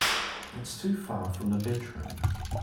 That's too far from the bedroom.